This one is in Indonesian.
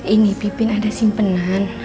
ini pipin ada simpenan